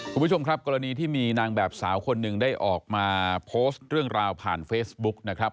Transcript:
คุณผู้ชมครับกรณีที่มีนางแบบสาวคนหนึ่งได้ออกมาโพสต์เรื่องราวผ่านเฟซบุ๊กนะครับ